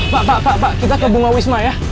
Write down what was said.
pak pak pak kita ke bunga wisma ya